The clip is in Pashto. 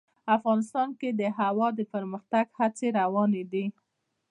افغانستان کې د هوا د پرمختګ هڅې روانې دي.